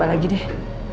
aku untuk di lantai